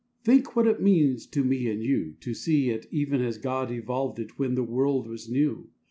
Think what it means to me and you To see it even as God Evolved it when the world was new!